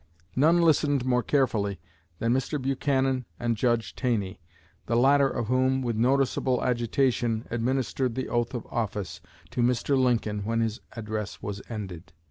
None listened more carefully than Mr. Buchanan and Judge Taney, the latter of whom, with noticeable agitation, administered the oath of office to Mr. Lincoln when his address was ended."